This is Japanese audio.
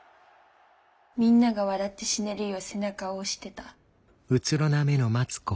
みんなが笑って死ねるよう背中を押してた。